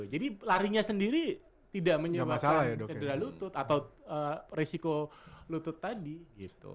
larinya sendiri tidak menyebabkan cedera lutut atau resiko lutut tadi gitu